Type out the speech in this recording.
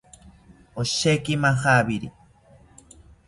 Osheki majawiri